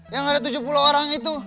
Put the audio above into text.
yang ada tujuh puluh orang itu